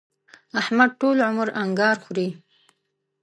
احمد ټول عمر انګار خوري.